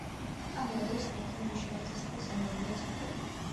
ამავე დროს, ლატინა მნიშვნელოვანი სასოფლო-სამეურნეო ცენტრია.